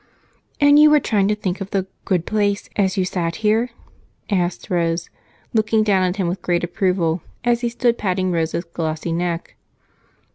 "And you were trying to think of the 'good place' as you sat here?" asked Rose, looking down at him with great approval as he stood patting Rosa's glossy neck.